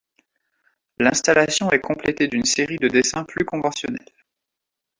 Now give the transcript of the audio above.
L'installation est complétée d'une série de dessins plus conventionnels.